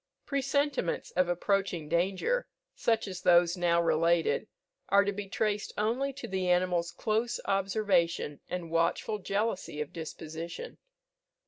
Presentiments of approaching danger, such as those now related, are to be traced only to the animal's close observation and watchful jealousy of disposition.